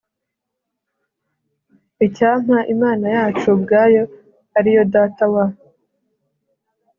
Icyampa Imana yacu ubwayo ari yo Data wa